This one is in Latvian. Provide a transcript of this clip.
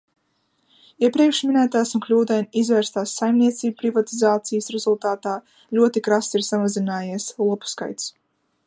Iepriekšminētās un kļūdaini izvērstās saimniecību privatizācijas rezultātā ļoti krasi ir samazinājies lopu skaits.